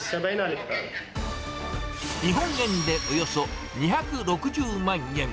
日本円でおよそ２６０万円。